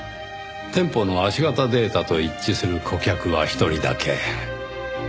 店舗の足型データと一致する顧客は一人だけ。